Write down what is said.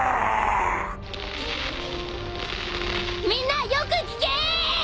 みんなよく聞け！